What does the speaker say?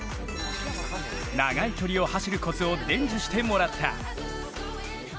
長い距離を走るコツを伝授してもらった。